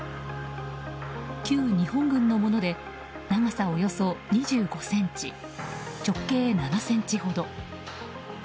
旧日本軍のもので長さおよそ２５ｃｍ直径７ｃｍほど。